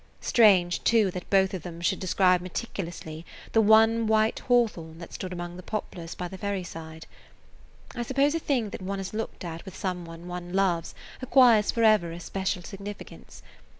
Strange, too, that both of them should describe meticulously the one white hawthorn that stood among the poplars by the ferry side. I suppose a thing that one has looked at with some one one loves acquires forever after a special significance.